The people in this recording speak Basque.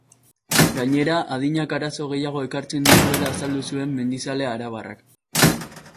Gainera, adinak arazo gehiago ekartzen dituela azaldu zuen mendizale arabarrak.